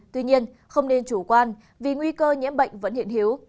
tuy nhiên không nên chủ quan vì nguy cơ nhiễm bệnh vẫn hiện hiếu